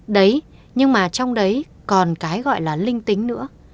đấy nhưng mà trong đấy còn cái gọi là linh tính nữa